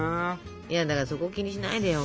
いやだからそこ気にしないでよ